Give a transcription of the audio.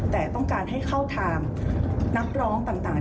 แต่ต้องการให้เข้าทางนักร้องต่าง